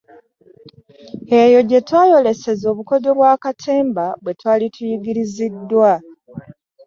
Eyo gye twayoleseza obukodyo bwa katemba bwe twali tuyigiriziddwa.